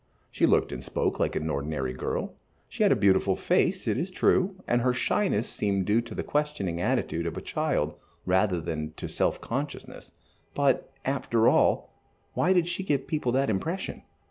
She looked and spoke like an ordinary young girl. She had a beautiful face, it is true, and her shyness seemed due to the questioning attitude of a child rather than to self consciousness, but, after all, why did she give people that impression?